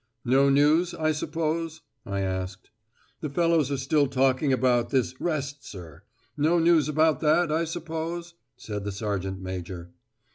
"No news, I suppose?" I asked. "The fellows are still talking about this 'rest,' sir. No news about that, I suppose?" said the sergeant major.